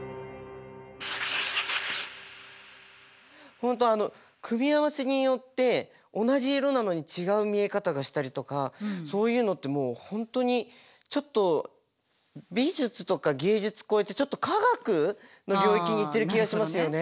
本当あの組み合わせによって同じ色なのに違う見え方がしたりとかそういうのってもう本当にちょっと美術とか芸術超えてちょっと科学の領域にいってる気がしますよね。